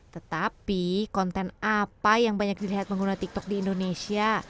tetapi konten apa yang banyak dilihat pengguna tiktok di indonesia